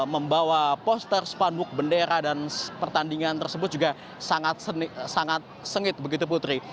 membawa poster spanduk bendera dan pertandingan tersebut juga sangat sengit begitu putri